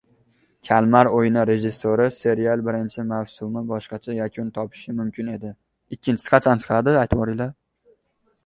“Kalmar o‘yini” rejissori: “Serialning birinchi mavsumi boshqacha yakun topishi mumkin edi”